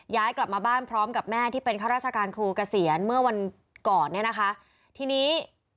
ย้ายกลับมาบ้านพร้อมกับแม่ที่เป็นข้าราชการครูเกษียณเมื่อวันก่อนเนี่ยนะคะทีนี้